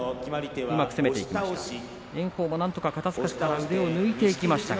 うまく攻めていきました。